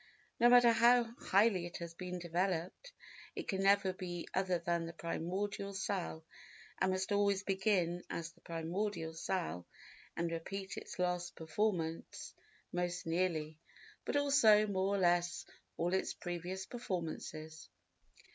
No matter how highly it has been developed, it can never be other than the primordial cell and must always begin as the primordial cell and repeat its last performance most nearly, but also, more or less, all its previous performances.